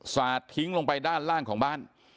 สาดทิ้งลงไปด้านล่างของบ้าน